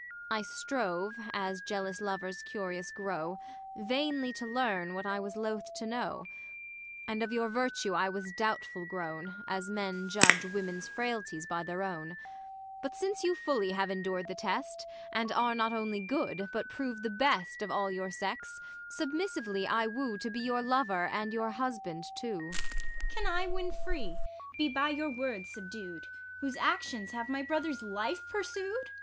I strove, as jealous lovers curious grow, Vainly to learn, wliat I was loth to know. And of your virtue I was doubtful grown. As men judge womini's frailties by their own. But since you fully have endured the test. THE LAW AGAINST LOVERS. 189 And are not only good, but prove the best Of all your sex, submissively I woo To be your lover and your husband too, ISAB. Can I, when free, be by your Avords subdu'd, Whose actions have my brother's life pursu'd